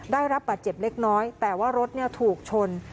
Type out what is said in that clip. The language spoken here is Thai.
ได้รับบาดเจ็บเล็กน้อยแต่ว่ารถถูกชน